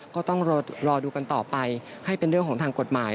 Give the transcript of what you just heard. ก็ต้องรอดูกันต่อไปให้เป็นเรื่องของทางกฎหมาย